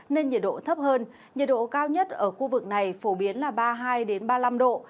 nên nhiệt độ thấp hơn nhiệt độ cao nhất ở khu vực này phổ biến là ba mươi hai ba mươi năm độ